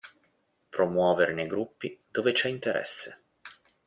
Promuovere nei gruppi dove c'è interesse.